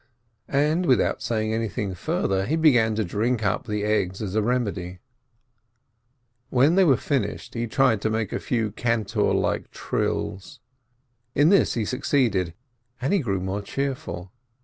And without eaying anything further, he began to drink up the eggs as a remedy. When they were finished, he tried to make a few cantor like trills. In this he succeeded, and he grew more cheerful.